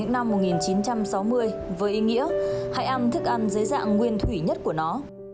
cụm từ clean eating ăn sạch xuất hiện từ những năm một nghìn chín trăm sáu mươi với ý nghĩa hãy ăn thức ăn dưới dạng nguyên thủy nhất của nó